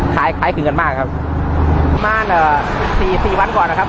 ขายขายถึงเงินมากครับม้านสี่สี่วันก่อนอะครับ